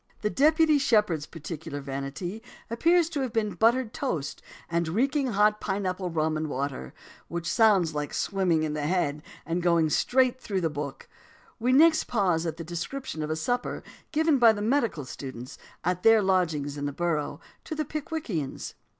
The Deputy Shepherd's particular "vanity" appears to have been buttered toast and reeking hot pine apple rum and water, which sounds like swimming in the head; and going straight through the book, we next pause at the description of the supper given by the medical students, at their lodgings in the Borough, to the Pickwickians.